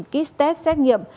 ba mươi kit test xét nghiệm